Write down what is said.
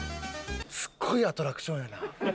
すごいアトラクションやな。